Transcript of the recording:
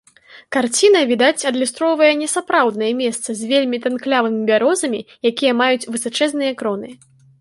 Карціна, відаць, адлюстроўвае не сапраўднае месца з вельмі танклявымі бярозамі, якія маюць высачэзныя кроны.